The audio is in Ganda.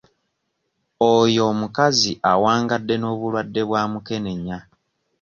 Oyo omukazi awangadde n'obulwadde bwa mukenenya.